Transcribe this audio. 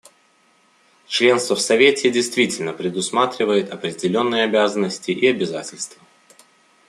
Членство в Совете действительно предусматривает определенные обязанности и обязательства.